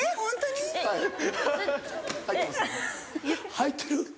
入ってる？